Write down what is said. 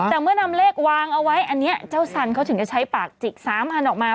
แต่เมื่อนำเลขวางเอาไว้อันนี้เจ้าสันเขาถึงจะใช้ปากจิก๓อันออกมา